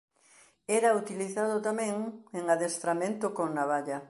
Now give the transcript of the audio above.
Era utilizado tamén en adestramento con navalla.